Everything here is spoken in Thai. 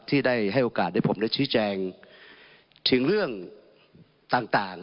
ที่ได้ให้โอกาสให้ผมได้ชี้แจงถึงเรื่องต่าง